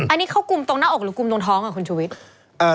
อันนี้เขากุมตรงหน้าอกหรือกลุ่มตรงท้องอ่ะคุณชุวิต